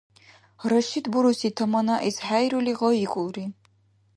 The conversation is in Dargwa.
Рашид буруси таманаэс хӀейрули, гъайикӀулри.